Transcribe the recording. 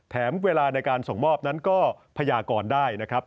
เวลาในการส่งมอบนั้นก็พยากรได้นะครับ